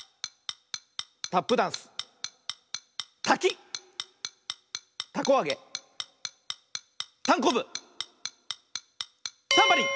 タップダンスたきたこあげたんこぶタンバリン！